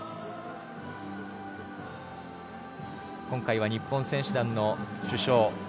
今回は日本選手団の主将。